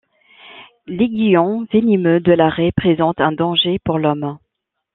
L'aiguillon venimeux de la raie présente un danger pour l'homme.